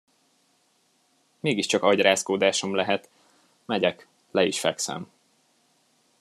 Mégiscsak agyrázkódásom lehet, megyek, le is fekszem.